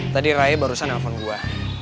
tadi raya barusan telepon gue